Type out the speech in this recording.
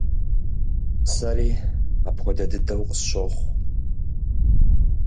Сэри апхуэдэ дыду къысщохъу.